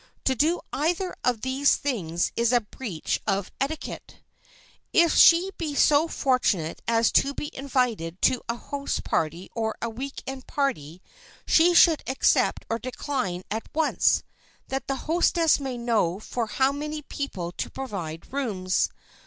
To do either of these things is a breach of etiquette. [Sidenote: THE WEEK END PARTY] If she be so fortunate as to be invited to a house party or a week end party, she should accept or decline at once, that the hostess may know for how many people to provide rooms.